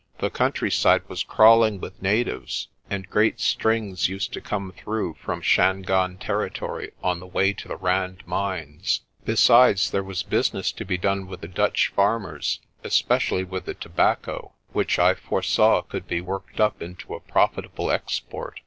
The countryside was crawling with natives, and great strings used to come through 46 PRESTER JOHN from Shangaan territory on the way to the Rand mines. Besides, there was business to be done with the Dutch farm ers, especially with the tobacco, which I foresaw could be worked up into a profitable export.